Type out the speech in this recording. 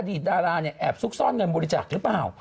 ดาราเนี่ยแอบซุกซ่อนเงินบริจาคหรือเปล่า